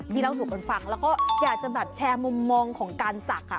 เล่าสู่กันฟังแล้วก็อยากจะแบบแชร์มุมมองของการศักดิ์